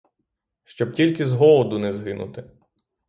Щоб тільки з голоду не згинути!